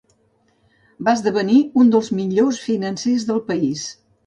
Va esdevenir uns dels millors financers del país.